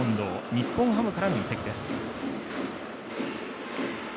日本ハムからの移籍です。